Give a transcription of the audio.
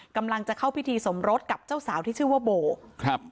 กำลังจะเข้าพิธีสมรสกับเจ้าสาวที่ชื่อว่าโบครับ